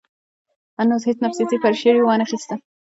نو هېڅ نفسياتي پرېشر ئې وانۀ خستۀ -